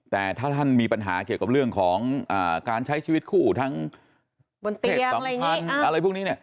แต่ถ้าท่านมีปัญหาเกี่ยวกับเรื่องของการใช้ชีวิตคู่ทั้งเพศสัมพันธ์อะไรพวกนี้เนี่ย